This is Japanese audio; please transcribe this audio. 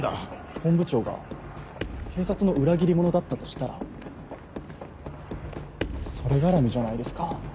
本部長が警察の裏切り者だったとしたらそれ絡みじゃないですか。